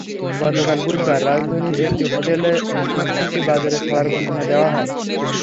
গতকাল বুধবার রাজধানীর একটি হোটেলে স্মার্টফোনটি বাজারে ছাড়ার ঘোষণা দেওয়া হয়।